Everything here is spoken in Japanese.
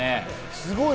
すごいね。